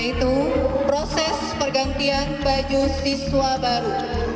yaitu proses pergantian baju siswa baru